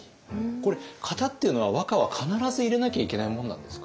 これ型っていうのは和歌は必ず入れなきゃいけないものなんですか？